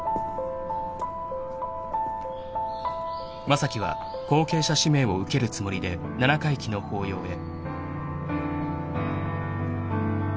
［正樹は後継者指名を受けるつもりで七回忌の法要へ］